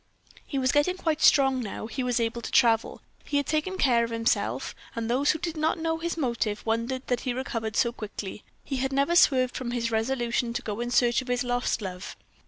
He was getting quite strong now; he was able to travel; he had taken care of himself; and those who did not know his motive wondered that he recovered so quickly. He had never swerved from his resolution to go in search of his lost love.